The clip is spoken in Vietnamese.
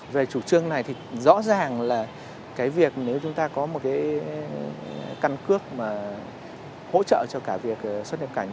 về chủ trương này thì rõ ràng là cái việc nếu chúng ta có một cái căn cước mà hỗ trợ cho cả việc xuất nhập cảnh